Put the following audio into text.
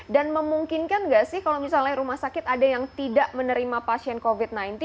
dan memungkinkan nggak sih kalau misalnya rumah sakit ada yang tidak menerima pasien covid sembilan belas